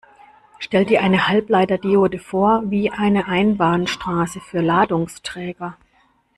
Stell dir eine Halbleiter-Diode vor wie eine Einbahnstraße für Ladungsträger.